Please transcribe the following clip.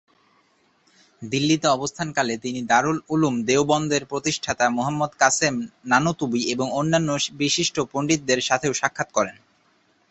দিল্লিতে অবস্থানকালে তিনি দারুল উলুম দেওবন্দের প্রতিষ্ঠাতা মুহাম্মদ কাসেম নানুতুবি এবং অন্যান্য বিশিষ্ট পণ্ডিতদের সাথেও সাক্ষাৎ করেন।